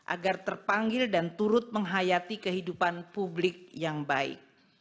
agar terpanggil dan turut menghayati kehidupan publik yang baik